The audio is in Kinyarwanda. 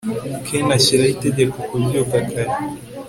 ken ashyiraho itegeko kubyuka kare